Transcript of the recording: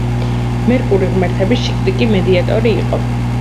მერკური ღმერთების შიკრიკი, მედიატორი იყო.